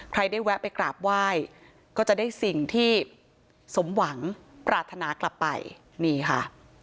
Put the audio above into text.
ใครได้แวะไปกราบไหว้ก็จะได้สิ่งที่สมหวังปรารถนากลับไปนี่ค่ะ